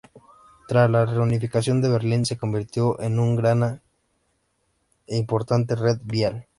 Tras la reunificación de Berlín, se convirtió en una gran e importante red vial.